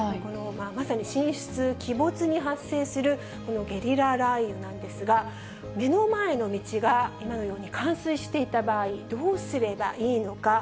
まさに神出鬼没に発生するこのゲリラ雷雨なんですが、目の前の道が今のように冠水していた場合、どうすればいいのか。